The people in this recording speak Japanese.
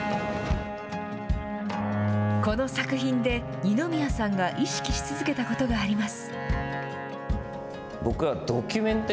この作品で、二宮さんが意識し続けたことがあります。